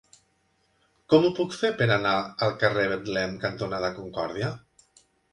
Com ho puc fer per anar al carrer Betlem cantonada Concòrdia?